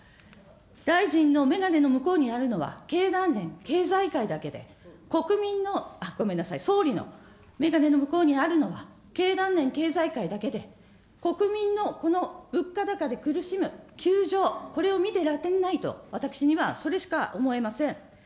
大臣の眼鏡の向こうにあるのは経団連、経済界だけで、国民の、ごめんなさい、総理の眼鏡の向こうにあるのは経団連、経済界だけで、国民のこの物価高で苦しむ窮状、これを見てられないと、私にはそれしか思えません。